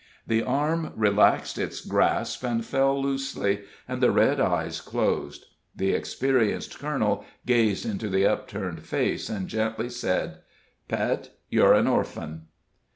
The arm relaxed its grasp and fell loosely, and the red eyes closed. The experienced colonel gazed into the upturned face, and gently said: "Pet, yer an orphan."